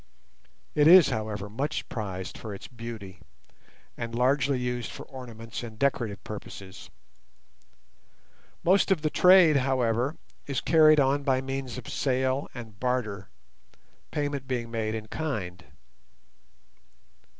It is, however, much prized for its beauty, and largely used for ornaments and decorative purposes. Most of the trade, however, is carried on by means of sale and barter, payment being made in kind.